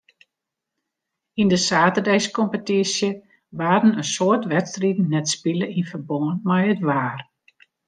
Yn de saterdeiskompetysje waarden in soad wedstriden net spile yn ferbân mei it waar.